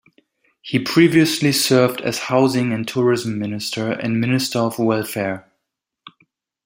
He previously served as housing and tourism minister and minister of welfare.